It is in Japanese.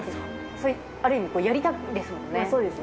ある意味、やりたいんですもそうですね。